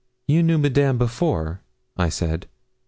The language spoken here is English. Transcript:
'You knew Madame before,' I said.